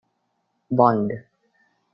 Bond".